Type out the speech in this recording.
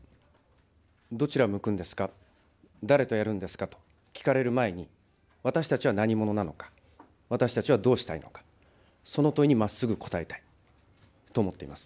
どちらを向くんですか、誰とやるんですかと聞かれる前に、私たちは何者なのか、私たちはどうしたいのか、その問いにまっすぐ応えたいと思っております。